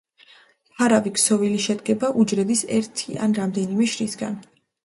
მფარავი ქსოვილი შედგება უჯრედის ერთი ან რამდენიმე შრისაგან.